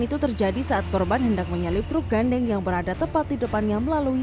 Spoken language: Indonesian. itu terjadi saat korban hendak menyalip truk gandeng yang berada tepat di depannya melalui